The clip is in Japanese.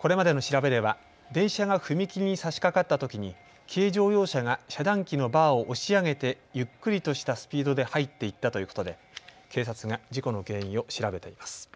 これまでの調べでは電車が踏切にさしかかったときに軽乗用車が遮断機のバーを押し上げてゆっくりとしたスピードで入っていったということで警察が事故の原因を調べています。